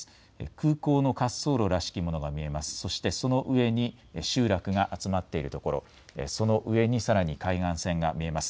空港の滑走路らしきものが見えます。